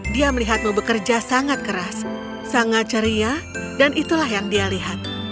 dia melihatmu bekerja sangat keras sangat ceria dan itulah yang dia lihat